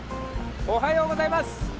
おはようございます